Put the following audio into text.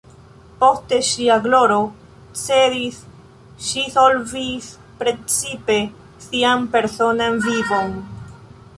Poste ŝia gloro cedis, ŝi solvis precipe sian personan vivon.